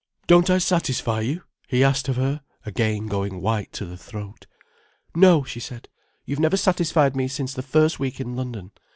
["Don't I satisfy you?" he asked of her, again going white to the throat. "No," she said. "You've never satisfied me since the first week in London.